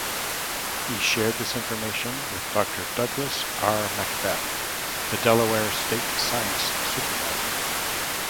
He shared this information with Doctor Douglas R. Macbeth, the Delaware State Science Supervisor.